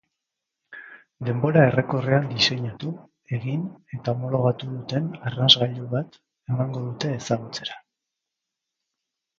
Denbora errekorrean diseinatu, egin eta homologatu duten arnasgailu bat emango dute ezagutzera.